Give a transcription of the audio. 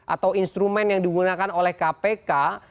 atau instrumen yang digunakan oleh kpk